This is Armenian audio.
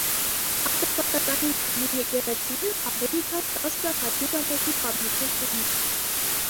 Ատրպատականի թեմի եկեղեցիները ավելի քան տասը հարյուրամյակի պատմություն ունեն։